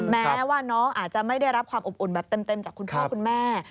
แม้ว่าน้องอาจจะไม่ได้รับความอบอุ่นแบบเต็มจากคุณพ่อคุณแม่